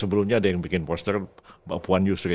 sebelumnya ada yang bikin poster bapuan yusril